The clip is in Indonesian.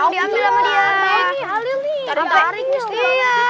diambil sama dia